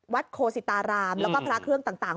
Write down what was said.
โคสิตารามแล้วก็พระเครื่องต่าง